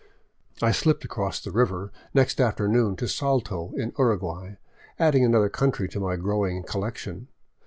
I slipped across the river next afternoon to Salto, in Uruguay, add ing another country to my growing collection.